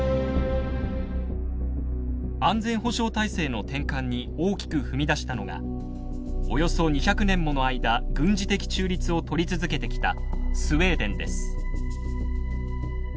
安全保障体制の転換に大きく踏み出したのがおよそ２００年もの間軍事的中立を取り続けてきたスウェーデンです。